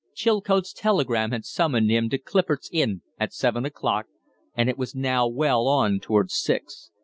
Chilcote's telegram had summoned him to Clifford's Inn at seven o'clock, and it was now well on towards six.